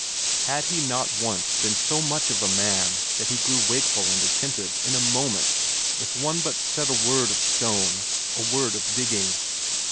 Had he not once been so much of a man that he grew wakeful and attentive in a moment if one but said a word of stone, a word of digging?